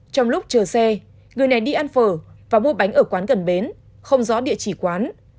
trong lúc chờ xe người này đi ăn phở và mua bánh ở quán gần bến không rõ địa chỉ quán